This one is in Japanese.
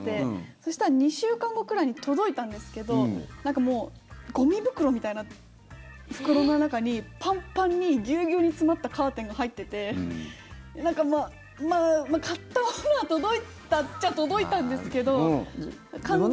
そしたら２週間後ぐらいに届いたんですけどなんかもうゴミ袋みたいな袋の中にパンパンにギュウギュウに詰まったカーテンが入っててまあ、買ったものは届いたっちゃ届いたんですけど、完全に。